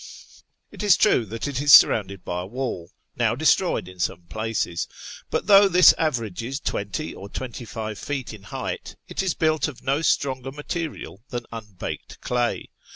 It is true that it is surrounded by a wall (now destroyed in some places), but though this averages twenty or twenty five feet in height, it is built of no stronger material than unbaked clay.